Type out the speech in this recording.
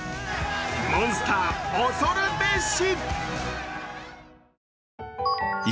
モンスター、恐るべし！